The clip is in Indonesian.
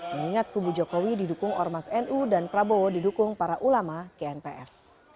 mengingat kubu jokowi didukung ormas nu dan prabowo didukung para ulama gnpf